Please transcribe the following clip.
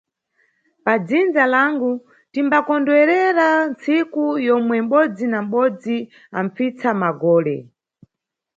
Padzindza langu, timbakondwerera ntsiku yomwe mʼbodzi na mʼbodzi amʼpfitsa magole